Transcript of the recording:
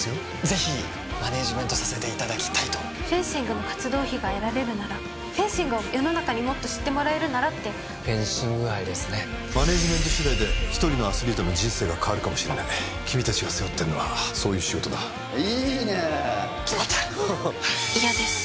ぜひマネージメントさせていただきたいとフェンシングの活動費が得られるならフェンシングを世の中にもっと知ってもらえるならってフェンシング愛ですねマネージメント次第で一人のアスリートの人生が変わるかもしれない君達が背負ってるのはそういう仕事だ・いいねえ・決まった嫌です